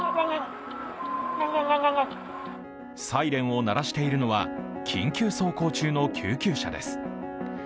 サイレンを鳴らしているのは緊急走行中の救急車です。